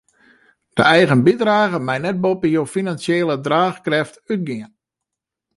De eigen bydrage mei net boppe jo finansjele draachkrêft útgean.